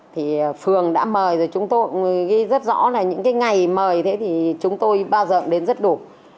thì phường đã mời rồi chúng tôi ghi rất rõ là những cái ngày mời thế thì chúng tôi bao giờ đến rất đủ